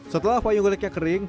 setelah wayang goleknya kering